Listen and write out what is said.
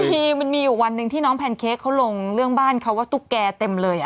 ทีมันมีอยู่วันหนึ่งที่น้องแพนเค้กเขาลงเรื่องบ้านเขาว่าตุ๊กแก่เต็มเลย